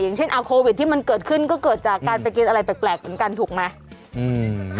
อย่างเช่นเอาโควิดที่มันเกิดขึ้นก็เกิดจากการไปกินอะไรแปลกเหมือนกันถูกไหม